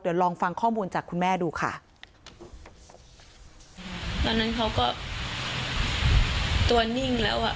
เดี๋ยวลองฟังข้อมูลจากคุณแม่ดูค่ะตอนนั้นเขาก็ตัวนิ่งแล้วอ่ะ